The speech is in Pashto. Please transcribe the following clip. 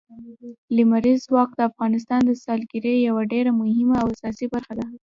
لمریز ځواک د افغانستان د سیلګرۍ یوه ډېره مهمه او اساسي برخه ده.